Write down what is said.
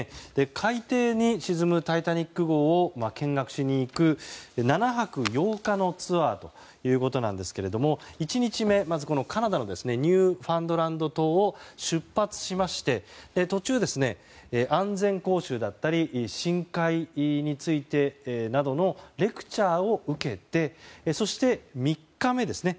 海底に沈む「タイタニック号」を見学しに行く７泊８日のツアーということなんですが１日目、カナダのニューファンドランド島を出発しまして途中、安全講習や深海についてなどのレクチャーを受けてそして、３日目ですね。